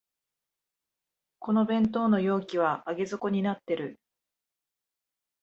この弁当の容器は上げ底になってる